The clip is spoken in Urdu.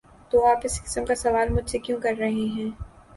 ‘‘''تو آپ اس قسم کا سوال مجھ سے کیوں کر رہے ہیں؟